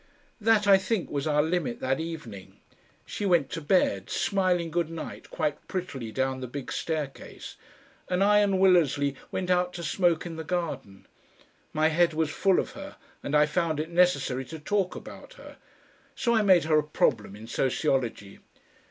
That, I think, was our limit that evening. She went to bed, smiling good night quite prettily down the big staircase, and I and Willersley went out to smoke in the garden. My head was full of her, and I found it necessary to talk about her. So I made her a problem in sociology.